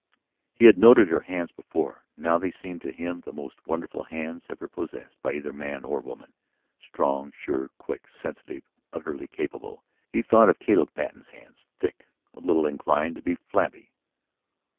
He had noted her hands before; now they seemed to him the most wonderful hands ever possessed by either man or woman, strong, sure, quick, sensitive, utterly capable. He thought of Caleb Patten's hands, thick, a little inclined to be flabby.